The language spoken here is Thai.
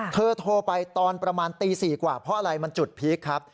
โทรไปตอนประมาณตี๔กว่าเพราะอะไรมันจุดพีคครับ